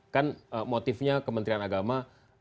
kan motifnya kementerian agama